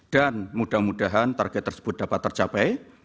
dan mudah mudahan target tersebut dapat tercapai